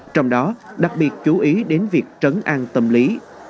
trong đó đặc biệt chú ý đến việc trấn an tâm lý